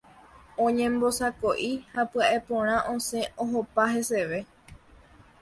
Oñembosako'i ha pya'e porã osẽ ohopa heseve.